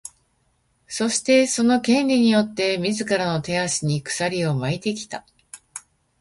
そして、その「権利」によって自らの手足に鎖を巻いてきた。